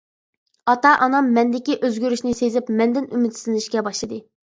ئاتا-ئانام مەندىكى ئۆزگىرىشنى سېزىپ مەندىن ئۈمىدسىزلىنىشكە باشلىدى.